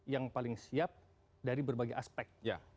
yang paling siap dari berbagai aspek